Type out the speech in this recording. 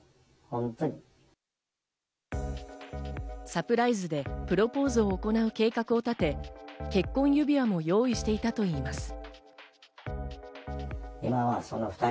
サプライズでプロポーズを行う計画を立て、結婚指輪も用意していたといいます。